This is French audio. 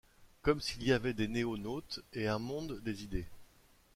Comme s'il y avait des NoéNautes, et un monde des idées…